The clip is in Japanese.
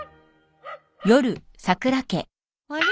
あれ？